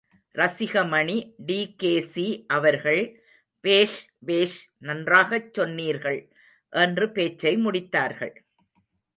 ரசிகமணி டி.கே.சி.அவர்கள் பேஷ், பேஷ் நன்றாகச் சொன்னீர்கள் என்று பேச்சை முடித்தார்கள்.